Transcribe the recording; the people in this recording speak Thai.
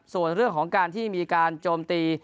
ส่วนเรื่องของการที่มีการโจมตี